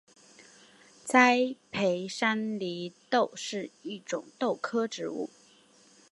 栽培山黧豆是一种豆科植物。